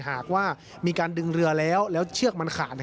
หากว่ามีการดึงเรือแล้วแล้วเชือกมันขาด